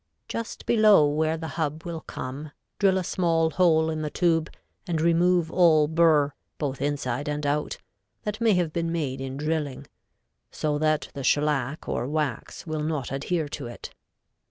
Just below where the hub will come drill a small hole in the tube and remove all burr, both inside and out, that may have been made in drilling, so that the shellac or wax will not adhere to it.